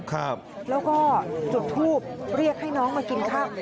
ครับแล้วก็จุดทูบเรียกให้น้องมากินข้าว